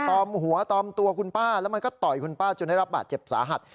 อมหัวตอมตัวคุณป้าแล้วมันก็ต่อยคุณป้าจนได้รับบาดเจ็บสาหัส